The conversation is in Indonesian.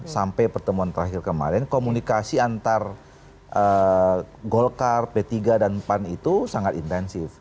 sampai pertemuan terakhir kemarin komunikasi antar golkar p tiga dan pan itu sangat intensif